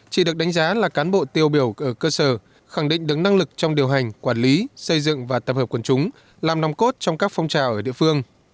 chị được đánh giá là cán bộ tiêu biểu ở cơ sở khẳng định đứng năng lực trong điều hành quản lý xây dựng và tập hợp quần chúng làm nòng cốt trong các phong trào ở địa phương